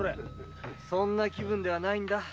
そんな気分ではないんだ。